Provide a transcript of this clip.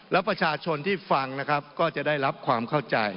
แล้วประชาชนที่ฟังนะครับก็จะได้รับความเข้าใจ